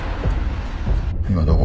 今どこ？